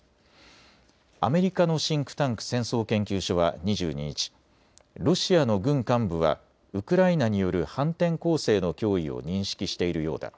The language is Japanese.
アメリカのシンクタンク、戦争研究所は２２日、ロシアの軍幹部はウクライナによる反転攻勢の脅威を認識しているようだ。